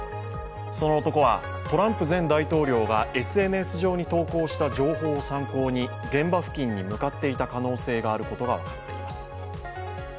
その男はトランプ前大統領がＳＮＳ上に投稿した情報を参考に、現場付近に向かっていた可能性があることが分かっています。